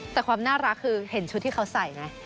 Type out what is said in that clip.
แต่ความน่ารักคือเห็นชุดที่เขาใส่ไง